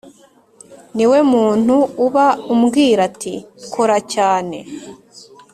ni we muntu uba umbwira ati kora cyane